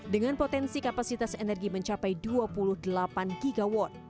dengan potensi kapasitas energi mencapai dua puluh delapan gigawatt